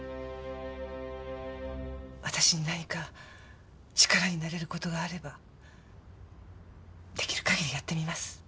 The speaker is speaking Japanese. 私に何か力になれる事があればできる限りやってみます。